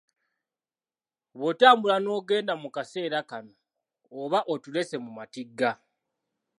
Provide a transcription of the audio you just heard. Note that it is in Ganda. Bwotambula n'ogenda mu kaseera kano oba otulese mu matigga.